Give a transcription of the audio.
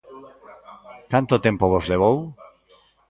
Canto tempo vos levou?